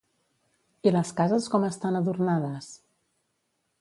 I les cases com estan adornades?